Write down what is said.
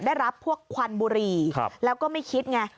ได้รับพวกควันบุรีแล้วก็ไม่คิดไง